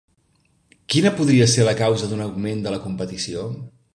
Quina podria ser la causa d'un augment de la competició?